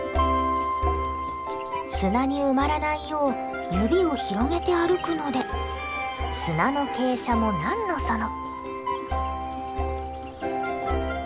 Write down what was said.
砂に埋まらないよう指を広げて歩くので砂の傾斜も何のその。